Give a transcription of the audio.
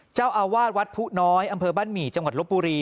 เจ้าอาวาสวัดผู้น้อยอำเภอบ้านหมี่จังหวัดลบบุรี